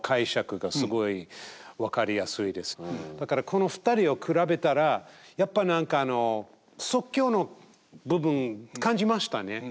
だからこの２人を比べたらやっぱり何か即興の部分感じましたね。